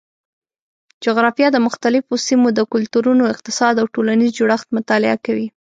جغرافیه د مختلفو سیمو د کلتورونو، اقتصاد او ټولنیز جوړښت مطالعه کوي.